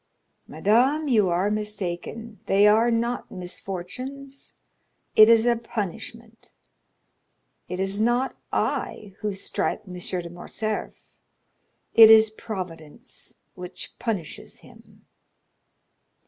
"Madame, you are mistaken, they are not misfortunes,—it is a punishment. It is not I who strike M. de Morcerf; it is Providence which punishes him."